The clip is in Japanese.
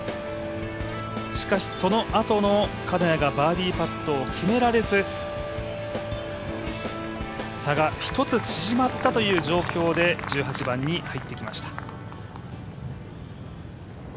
しかし、そのあとの金谷がバーディーパットを決められず差が１つ縮まったという状況で、１８番に入ってきました。